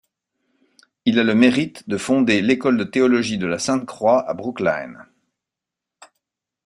Il a le mérite de fonder l'École de théologie de la Sainte-Croix à Brookline.